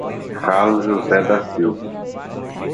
Carlos José da Silva